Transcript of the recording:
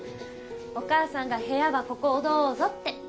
お母さんが部屋はここをどうぞって。